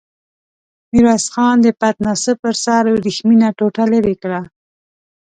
ميرويس خان د پتناسه پر سر ورېښمينه ټوټه ليرې کړه.